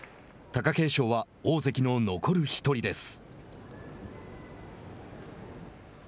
貴景勝は大関の残る１人です。